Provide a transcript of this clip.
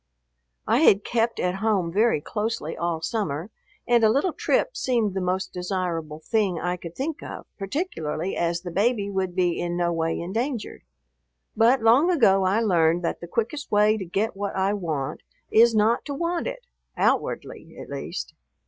I had kept at home very closely all summer, and a little trip seemed the most desirable thing I could think of, particularly as the baby would be in no way endangered. But long ago I learned that the quickest way to get what I want is not to want it, outwardly, at least.